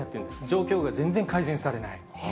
状況が全然改善されない。